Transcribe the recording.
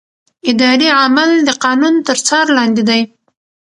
اداري عمل د قانون تر څار لاندې دی.